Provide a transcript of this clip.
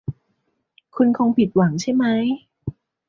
คุณคงผิดหวังใช่ไหม